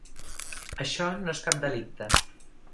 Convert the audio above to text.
Això no és cap delicte.